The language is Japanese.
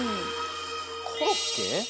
コロッケ？